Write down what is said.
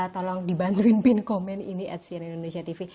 tolong dibantuin pin komen ini at cnn indonesia tv